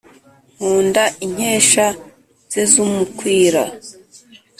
nkunda inkesha ze z’umukwira. »